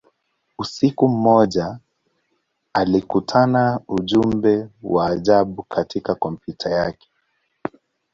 Usiku mmoja, alikutana ujumbe wa ajabu katika kompyuta yake.